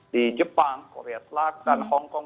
di jepang korea selatan hong kong